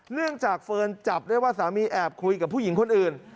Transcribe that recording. เนื่องจากเฟิร์นจับได้ว่าสามีแอบคุยกับผู้หญิงคนอื่น